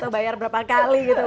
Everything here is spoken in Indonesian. bayar berapa kali gitu